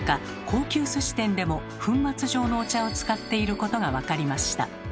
高級寿司店でも粉末状のお茶を使っていることが分かりました。